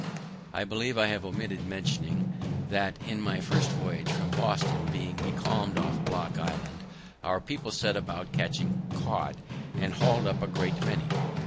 I believe I have omitted mentioning that, in my first voyage from Boston, being becalm'd off Block Island, our people set about catching cod, and hauled up a great many.